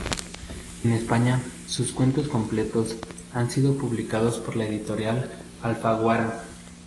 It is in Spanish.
En España, sus "Cuentos completos" han sido publicados por la Editorial Alfaguara.